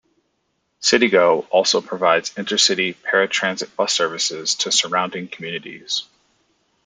CityGo also provides intercity paratransit bus service to surrounding communities.